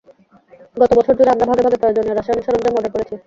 গত বছর জুড়ে, আমরা ভাগে ভাগে প্রয়োজনীয় রাসায়নিক সরঞ্জাম অর্ডার করেছি।